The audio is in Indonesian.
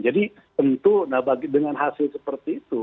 jadi tentu dengan hasil seperti itu